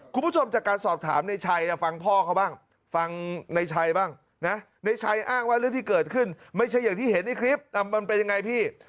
คุณผู้ชมจากการสอบถามในชัยฟังพ่อเขาบ้างฟังในชัยบ้างนะในชัยอ้างว่าเรื่องที่เกิดขึ้นไม่ใช่อย่างที่เห็นในคลิปมันเป็นยังไงพี่